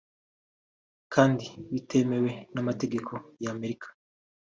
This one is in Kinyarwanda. kandi bitemewe n'amategeko ya Amerika